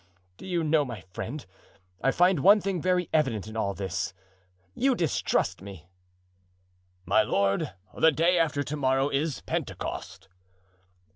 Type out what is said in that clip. "Do you know, my friend, I find one thing very evident in all this, you distrust me." "My lord, the day after to morrow is Pentecost."